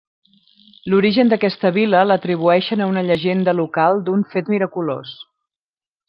L'origen d'aquesta vila l'atribueixen a una llegenda local d'un fet miraculós.